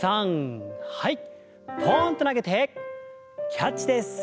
ポンと投げてキャッチです。